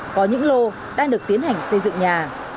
có những lô đang được tiến hành xây dựng nhà